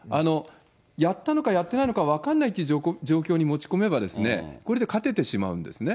やったのかやってないのか分かんないっていう状況に持ち込めば、これで勝ててしまうんですね。